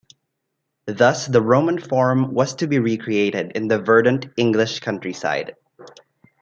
Thus the Roman Forum was to be recreated in the verdant English countryside.